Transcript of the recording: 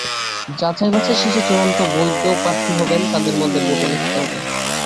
যাচাই-বাছাই শেষে যাঁরা চূড়ান্ত বৈধ প্রার্থী হবেন, তাঁদের মধ্যে ভোট অনুষ্ঠিত হবে।